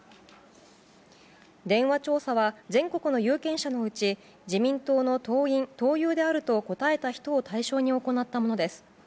電話調査は、全国の有権者のうち自民党の党員・党友であると答えた人を対象に行ったものです。